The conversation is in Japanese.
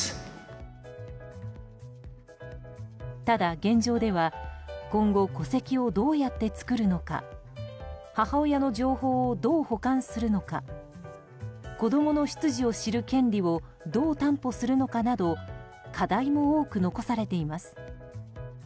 ただ、現状では今後戸籍をどうやって作るのか母親の情報をどう保管するのか子供の出自を知る権利をどう担保するのかなど課題も多く残されています。